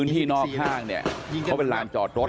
ที่นอกห้างเนี่ยเขาเป็นลานจอดรถ